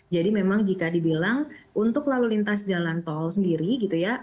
jadi memang jika dibilang untuk lalu lintas jalan tol sendiri gitu ya